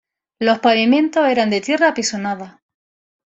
Los pavimentos eran de tierra apisonada.